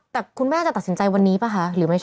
แต่คุณแม่จะตัดสินใจวันนี้ป่ะคะหรือไม่ใช่